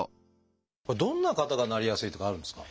どんな方がなりやすいとかあるんですか？